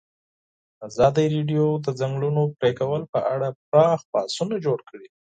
ازادي راډیو د د ځنګلونو پرېکول په اړه پراخ بحثونه جوړ کړي.